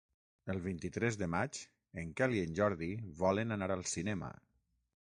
El vint-i-tres de maig en Quel i en Jordi volen anar al cinema.